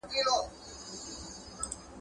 فساد ټولنه له منځه وړي.